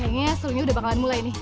kayaknya serunya udah bakalan mulai nih